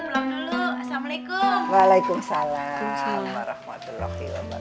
assalamualaikum waalaikumsalam warahmatullah